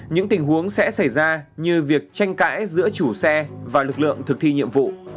những tình huống sẽ xảy ra như việc tranh cãi giữa chủ xe và lực lượng thực thi nhiệm vụ